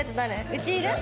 うちいる？